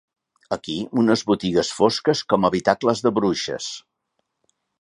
Aquí, unes botigues fosques com habitacles de bruixes…